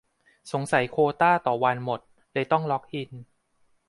สงสัยโควตาต่อวันหมด เลยต้องล็อกอิน